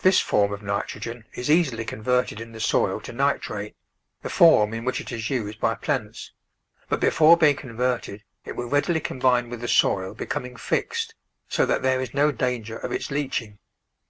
This form of nitrogen is easily converted in the soil to nitrate, the form in which it is used by plants, but before being converted it will readily combine with the soil becoming fixed, so that there is no danger of its leaching.